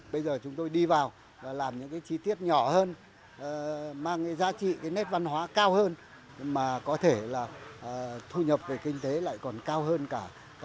bây giờ chúng tôi đi vào và làm những cái chi tiết nhỏ hơn mang cái giá trị cái nét văn hóa cao hơn mà có thể là thu nhập về kinh tế lại còn cao hơn cả